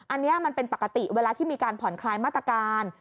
อันนี้มันเป็นปกติเวลาที่มีการผ่อนคลายมาตรการ